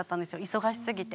忙しすぎて。